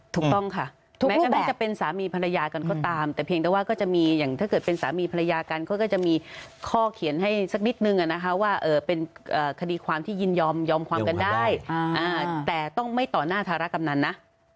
ถูกต้องค่ะแม้จะเป็นสามีภรรยากันก็ตามแต่เพียงแต่ว่าก็จะมีอย่างถ้าเกิดเป็นสามีภรรยากันเขาก็จะมีข้อเขียนให้สักนิดนึงนะคะว่าเป็นคดีความที่ยินยอมความกันได้แต่ต้องไม่ต่อหน้าธารกำนันนะ